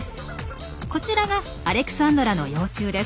こちらがアレクサンドラの幼虫です。